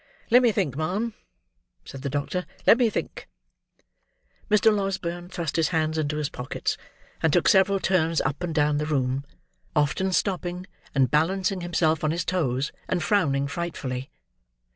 "Let me think, ma'am," said the doctor; "let me think." Mr. Losberne thrust his hands into his pockets, and took several turns up and down the room; often stopping, and balancing himself on his toes, and frowning frightfully.